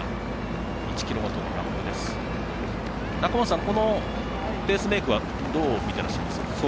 中本さん、このペースメイクはどう見てらっしゃいますか。